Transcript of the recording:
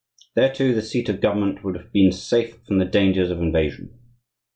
There, too, the seat of government would have been safe from the dangers of invasion.